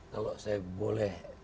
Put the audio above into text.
kalau saya boleh